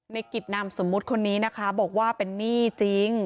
กิจนามสมมุติคนนี้นะคะบอกว่าเป็นหนี้จริง